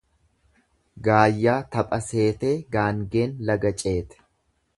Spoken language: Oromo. Gaayyaa tapha seetee gaangeen laga ceete.